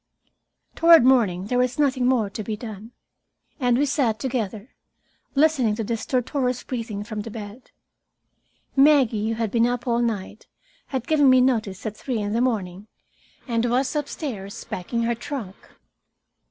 Toward morning there was nothing more to be done, and we sat together, listening to the stertorous breathing from the bed. Maggie, who had been up all night, had given me notice at three in the morning, and was upstairs packing her trunk.